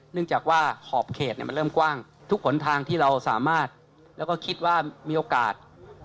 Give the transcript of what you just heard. เนื่องจากว่าขอบเขตมันเริ่มกว้างทุกหนทางที่เราสามารถแล้วก็คิดว่ามีโอกาส